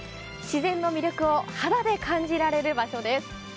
自然の魅力を肌で感じられる場所です。